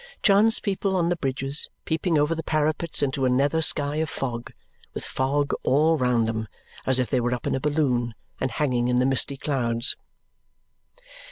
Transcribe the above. Chance people on the bridges peeping over the parapets into a nether sky of fog, with fog all round them, as if they were up in a balloon and hanging in the misty clouds.